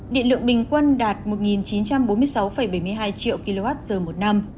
điện lượng bình quân đạt một chín trăm bốn mươi sáu bảy mươi hai triệu kwh một năm